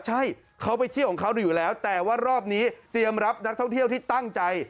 ใช่เขาไปเที่ยวของเขาดูอยู่แล้วแต่ว่ารอบนี้เตรียมรับนักท่องเที่ยวที่ตั้งใจ